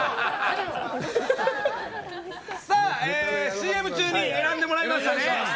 ＣＭ中に選んでもらいました。